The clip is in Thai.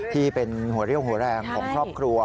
ที่เป็นหัวเรี่ยวหัวแรงของครอบครัว